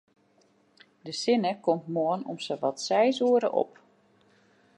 De sinne komt moarn om sawat seis oere op.